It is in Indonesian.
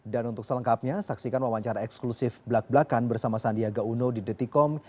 dan untuk selengkapnya saksikan wawancara eksklusif blak blakan bersama sandiaga uno di dt com